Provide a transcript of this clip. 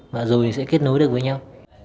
và rồi thì sẽ kết nối được với nhau